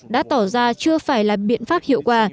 đã tỏ ra chưa phải là biện pháp hiệu quả